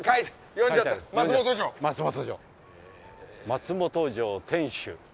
「松本城天守」